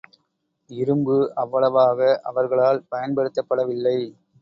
இரும்பு அவ்வளவாக அவர்களால் பயன்படுத்தப்படவில்லை.